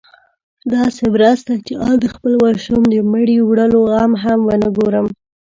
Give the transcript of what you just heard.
داسې مرسته چې آن د خپل ماشوم د مړي وړلو غم هم ونه ګورم.